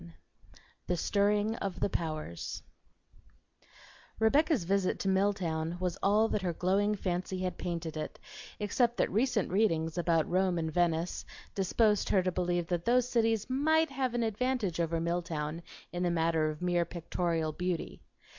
XI "THE STIRRING OF THE POWERS" Rebecca's visit to Milltown was all that her glowing fancy had painted it, except that recent readings about Rome and Venice disposed her to believe that those cities might have an advantage over Milltown in the matter of mere pictorial beauty.